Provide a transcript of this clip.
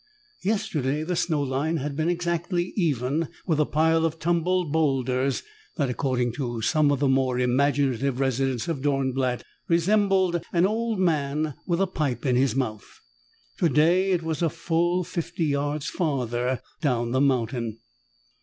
Yesterday, the snow line had been exactly even with a pile of tumbled boulders that, according to some of the more imaginative residents of Dornblatt, resembled an old man with a pipe in his mouth. Today, it was a full fifty yards farther down the mountain.